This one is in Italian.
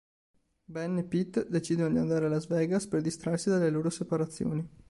Ben e Pete decidono di andare a Las Vegas per distrarsi dalle loro separazioni.